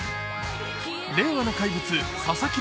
令和の怪物・佐々木朗